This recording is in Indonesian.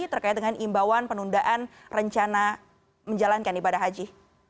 terkait dengan imbauan penundaan rencana menjalankan ibadah haji